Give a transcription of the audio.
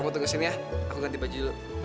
lang ini cd apa sih